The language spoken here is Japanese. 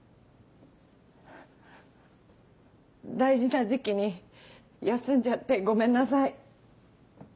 大事な時期に休んじゃってごめんなさい。